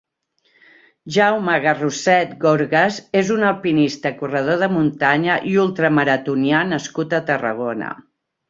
Jaume Garrosset Gorgas és un alpinista, corredor de muntanya i ultramaratonià nascut a Tarragona.